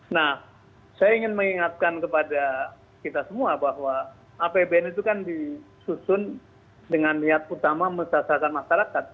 nah saya ingin mengingatkan kepada kita semua bahwa apbn itu kan disusun dengan niat utama mesasahkan masyarakat